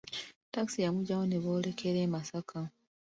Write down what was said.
Takisi yamuggyawo ne boolekera e Masaka.